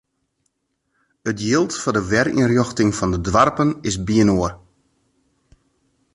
It jild foar de werynrjochting fan de doarpen is byinoar.